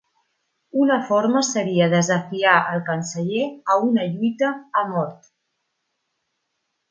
Una forma seria desafiar al canceller a una lluita a mort.